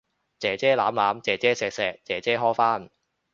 姐姐攬攬，姐姐錫錫，姐姐呵返